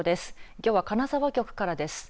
きょうは金沢局からです。